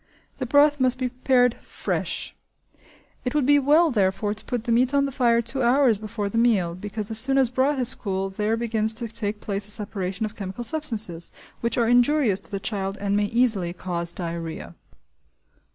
The broth must be prepared fresh; it would be well therefore, to put the meat on the fire two hours before the meal, because as soon as broth is cool there begins to take place a separation of chemical substances, which are injurious to the child and may easily cause diarrhea.